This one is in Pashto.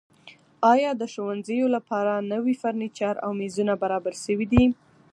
ایا د ښوونځیو لپاره نوي فرنیچر او میزونه برابر شوي دي؟